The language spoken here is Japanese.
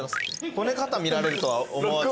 こね方見られるとは思わず。